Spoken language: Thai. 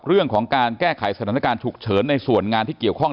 เรื่องของการแก้ไขสถานการณ์ฉุกเฉินในส่วนงานที่เกี่ยวข้อง